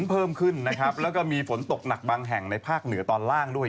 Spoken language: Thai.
เพิ่มขึ้นนะครับแล้วก็มีฝนตกหนักบางแห่งในภาคเหนือตอนล่างด้วย